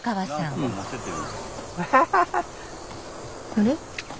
あれ？